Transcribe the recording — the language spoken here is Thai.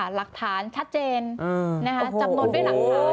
หลักฐานชัดเจนจำนวนด้วยหลักฐาน